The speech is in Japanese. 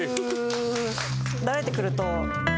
慣れてくると。